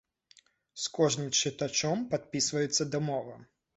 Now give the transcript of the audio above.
З кожным чытачом падпісваецца дамова.